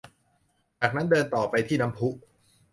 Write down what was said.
จากนั้นเดินต่อไปที่น้ำพุ